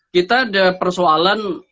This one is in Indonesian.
kita ada persoalan